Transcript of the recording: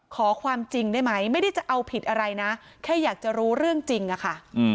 ขอความจริงได้ไหมไม่ได้จะเอาผิดอะไรนะแค่อยากจะรู้เรื่องจริงอะค่ะ